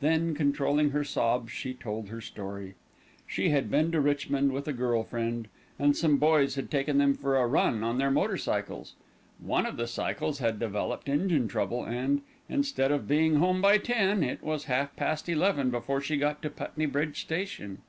Then, controlling her sobs, she told her story. She had been to Richmond with a girl friend, and some boys had taken them for a run on their motorcycles. One of the cycles had developed engine trouble and, instead of being home by ten, it was half past eleven before she got to Putney Bridge Station.